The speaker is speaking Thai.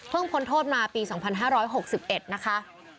เพิ่งพ้นโทษมาปี๒๕๖๑นะคะ